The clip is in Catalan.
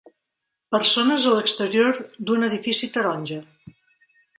Persones a l'exterior d'un edifici taronja.